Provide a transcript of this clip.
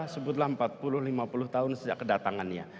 sebutlah empat puluh lima puluh tahun sejak kedatangannya